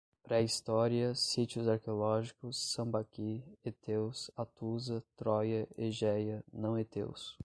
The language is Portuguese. pré-história, sítios arqueológicos, sambaqui, heteus, Hatusa, Troia, egeia, não-heteus